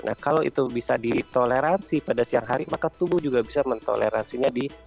nah kalau itu bisa ditoleransi pada siang hari maka tubuh juga bisa mentoleransinya di